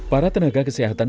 para tenaga kesehatan